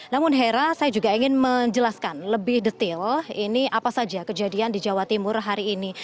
namun hera saya juga ingin menjelaskan lebih detail ini apa saja kejadian di jawa timur hari ini